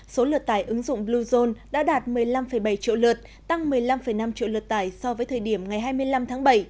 số lượt tải ứng dụng bluezone đã đạt một mươi năm bảy triệu lượt tăng một mươi năm năm triệu lượt tải so với thời điểm ngày hai mươi năm tháng bảy